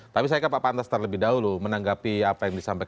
tapi saya ke pak pantas terlebih dahulu menanggapi apa yang disampaikan